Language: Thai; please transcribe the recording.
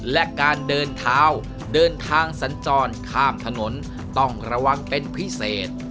และการเดินเท้าเดินทางสัญจรข้ามถนนต้องระวังเป็นพิเศษ